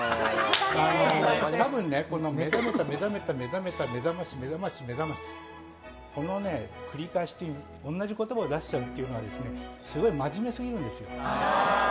多分、この目覚めた、目覚めた、目覚まし、目覚まし、この繰り返し、同じ言葉を出しちゃうというのはすごい真面目すぎるんですよ。